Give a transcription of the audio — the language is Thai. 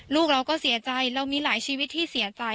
ลูกเราก็เสียใจเรามีหลายชีวิตที่เสียใจ